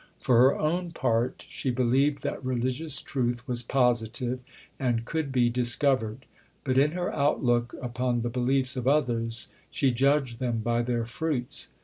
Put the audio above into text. For her own part she believed that religious truth was positive, and could be discovered; but in her outlook upon the beliefs of others, she judged them by their fruits.